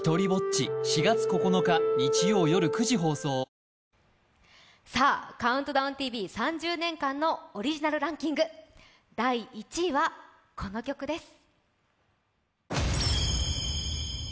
登場！さあ、「ＣＤＴＶ」３０年間のオリジナルランキング、第１位は、この曲です。